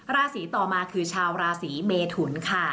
ราศีต่อมาคือชาวราศีเมทุนค่ะ